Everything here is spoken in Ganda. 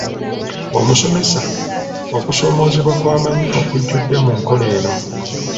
Omusomesa, okusoomoozebwa kwa maanyi okujjudde mu nkola eno.